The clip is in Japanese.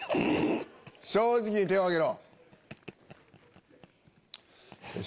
正直に手を挙げろ。